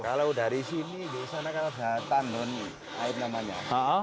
kalau dari sini di sana kan ada tandun air namanya